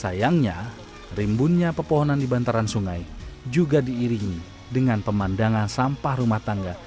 sayangnya rimbunnya pepohonan di bantaran sungai juga diiringi dengan pemandangan sampah rumah tangga